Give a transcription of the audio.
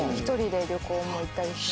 １人で旅行も行ったり。